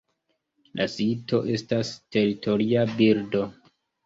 La sito estas teritoria birdo.